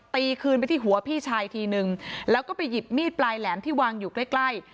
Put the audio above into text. ตีคืนไปที่หัวพี่ชายทีนึงแล้วก็ไปหยิบมีดปลายแหลมที่วางอยู่ใกล้ใกล้